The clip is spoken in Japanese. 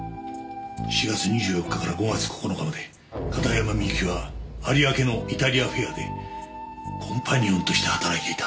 ４月２４日から５月９日まで片山みゆきは有明のイタリア・フェアでコンパニオンとして働いていた。